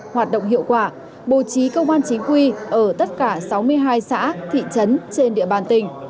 hoạt động hiệu quả bố trí công an chính quy ở tất cả sáu mươi hai xã thị trấn trên địa bàn tỉnh